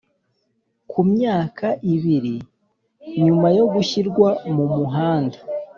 ku myaka ibiri nyuma yo gushyirwa mu muhanda.